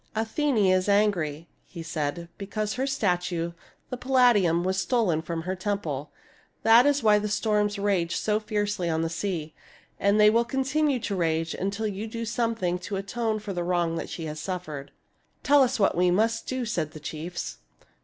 "' Athene is angry,' he said, ' because her statue, the Palladium, was stolen from her temple. That is why the storms rage so fiercely on the sea; and they will continue to rage until you do something to atone for the wrong that she has suffered.' "' Tell us what we must do,' said the chiefs.